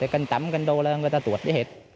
cây tắm cây đô là người ta tuột đi hết